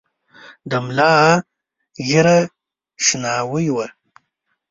د ملا ږیره شناوۍ وه .